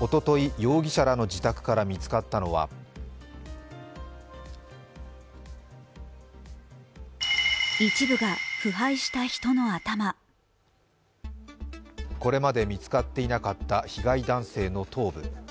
おととい、容疑者らの自宅から見つかったのはこれまで見つかっていなかった被害男性の頭部。